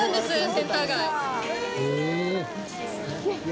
センター街。